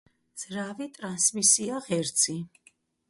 ძრავი, ტრანსმისია, ღერძი.